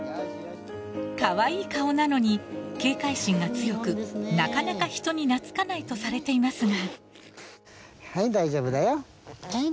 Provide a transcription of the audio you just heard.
カワイイ顔なのに警戒心が強くなかなか人に懐かないとされていますが。